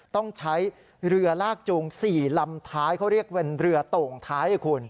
ต้องใช้เรือลากจูง๔ลำท้ายเขาเรียกเป็นเรือโต่งท้ายให้คุณ